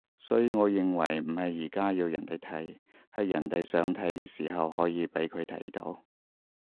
所以我認為唔係而家要人哋睇，係人哋想睇嘅時候可以畀佢睇到